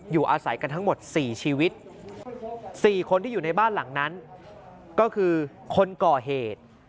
อยู่อาศัยกันทั้งหมด๔ชีวิต๔คนที่อยู่ในบ้านหลังนั้นก็คือคนก่อเหตุ